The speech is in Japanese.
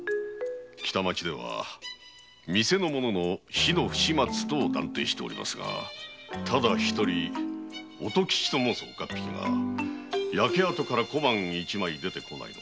北町では店の者の火の不始末と断定しておりますがただ一人乙吉と申す岡っ引きが焼け跡から小判一枚出てこないのはおかしい。